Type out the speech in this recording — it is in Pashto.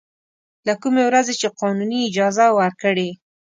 له کومې ورځې یې قانوني اجازه ورکړې.